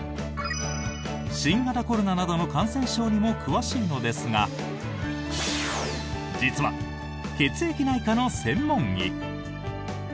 新型コロナなどの感染症にも詳しいのですが実は、血液内科の専門医。